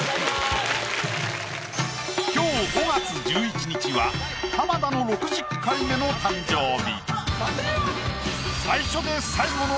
今日５月１１日は浜田の６０回目の誕生日。